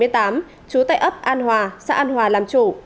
trú tại ấp an hòa xã an hòa làm chủ